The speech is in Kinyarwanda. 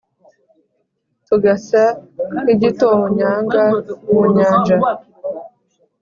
tugasa nk'igitonyanga mu nyanja.